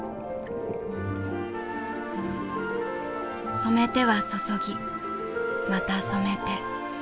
染めてはそそぎまた染めて。